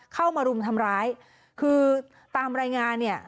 เข้ามารุมทำร้ายคือตามรายงานเนี่ย